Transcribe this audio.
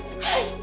はい。